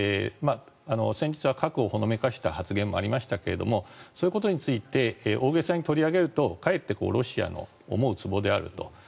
先日は核をほのめかした発言もありましたがそういうことについて大げさに取り上げるとかえってロシアの思うつぼであると。